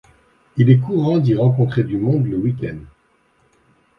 Il est courant d'y rencontrer du monde le week-end.